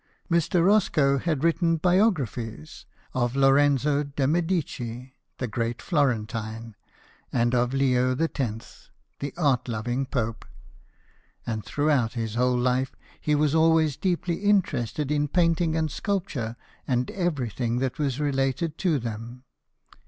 Mr. Roscoe had written biographies of Lorenzo de Medici, the great Florentine, and of Leo X., the art loving pope ; and throughout his whole life he was always deeply interested in painting and sculpture and everything that related to them.